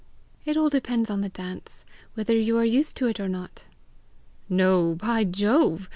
"It all depends on the dance whether you are used to it or not." "No, by Jove!